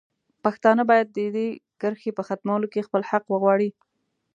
پښتانه باید د دې کرښې په ختمولو کې خپل حق وغواړي.